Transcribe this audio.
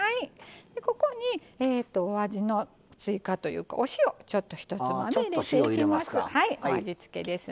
ここに、お味の追加というかお塩、ちょっとひとつまみ入れていきます。